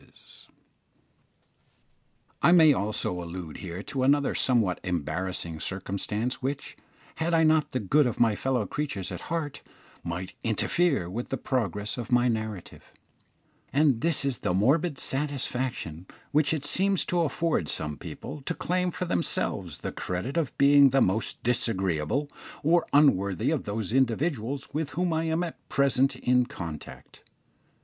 I may also allude here to another somewhat embarrassing circumstance which, had I not the good of my fellow creatures at heart, might interfere with the progress of my narrative; and this is the morbid satisfaction which it seems to afford some people to claim for themselves the credit of being the most disagreeable or unworthy of those individuals with whom I am at present in contact.